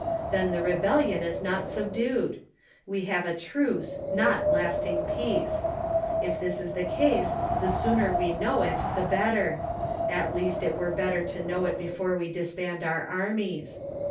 Then the rebellion is not subdued ; we have a truce, not lasting peace. If this is the case, the sooner we know it the better; at least it were better to know it before we disband our armies.